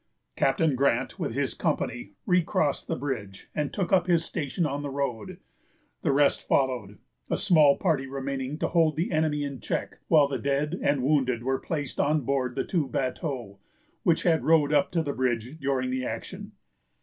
Captain Grant, with his company, recrossed the bridge, and took up his station on the road. The rest followed, a small party remaining to hold the enemy in check while the dead and wounded were placed on board the two bateaux which had rowed up to the bridge during the action.